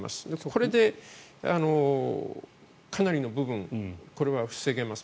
これで、かなりの部分これは防げます。